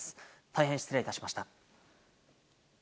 大変失礼いたしました。